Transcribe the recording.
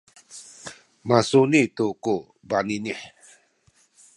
masuni tu ku baninih